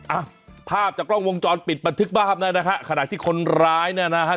อ่าภาพจากกล้องวงจรปิดประทึกมากครับนั่นนะคะขนาดที่คนร้ายเนี่ยนะฮะ